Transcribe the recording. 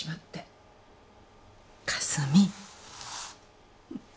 かすみ。